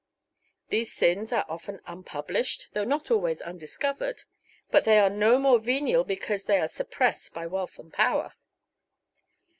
These sins are often unpublished, although not always undiscovered, but they are no more venial because they are suppressed by wealth and power.